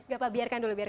gak apa biarkan dulu